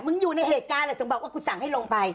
มึงอยู่แล้วต้องบอกกูสั่งให้ลงไป